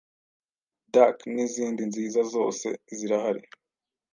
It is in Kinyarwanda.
Dark n’izindi nziza zose zirahari